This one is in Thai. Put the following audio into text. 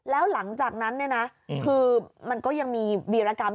แล้วหลังจากนั้นเนี่ยนะคือมันก็ยังมีวีรกรรม